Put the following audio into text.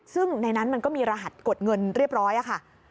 ซึ่งในนั้นมันก็มีรหัสกดเงินเรียบร้อยค่ะ